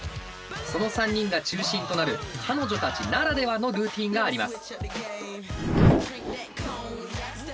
その３人が中心となる彼女たちならではのルーティーンがあります。